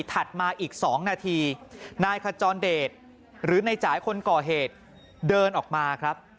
มาอีก๒นาทีนายขจรเดชหรือในจ่ายคนก่อเหตุเดินออกมาครับ